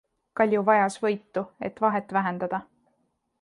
Kalju vajas võitu, et vahet vähendada.